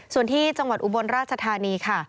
ส่วนที่จังหวัดอุบลราชธานีค่ะ